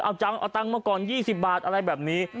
เอาจังเอาตังค์มาก่อน๒๐บาทอะไรแบบนี้